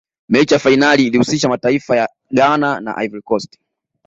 mechi ya fainali ilihusisha mataifa ya ghana na ivory coast